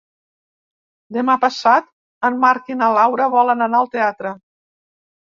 Demà passat en Marc i na Laura volen anar al teatre.